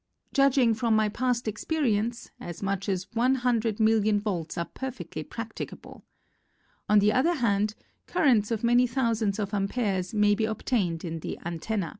Judging from my past experience, as much as 100,000,000 volts are perfectly practicable. On the other hand currents of many thousands of amperes may be ob tained in the antenna.